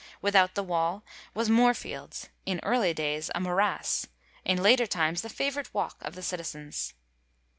Without the wall was Moorfields, in early days a morass ; in later times the favorite walk of the citizens.